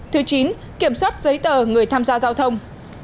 thứ chín kiểm soát giấy tờ người tham gia giao thông